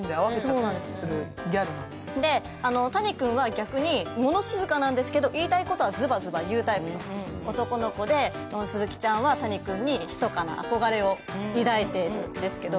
谷君は逆に物静かなんですけど言いたいことはズバズバ言うタイプで鈴木ちゃんは谷君にひそかな憧れを抱いているんですけど。